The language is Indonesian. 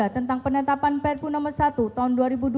tentang penetapan prpu nomor satu tahun dua ribu dua